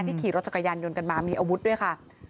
ขี่รถจักรยานยนต์กันมามีอาวุธด้วยค่ะ